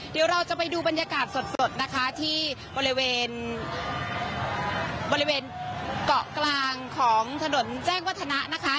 เดี๋ยวเราจะไปดูบรรยากาศสดนะคะที่บริเวณบริเวณเกาะกลางของถนนแจ้งวัฒนะนะคะ